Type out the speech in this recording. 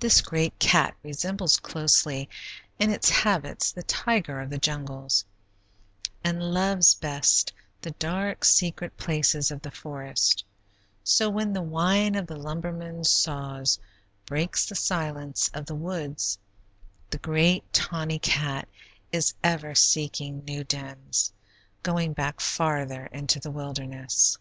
This great cat resembles closely in its habits the tiger of the jungles, and loves best the dark, secret places of the forest; so, when the whine of the lumbermen's saws breaks the silence of the woods, the great tawny cat is ever seeking new dens, going back farther into the wilderness.